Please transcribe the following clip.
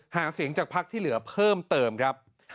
หาเสียงจากพักที่เหลือเพิ่มเติมครับ